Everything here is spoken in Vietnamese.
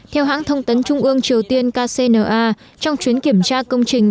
theo hãng thông tấn trung ương triều tiên kcna trong chuyến kiểm tra công trình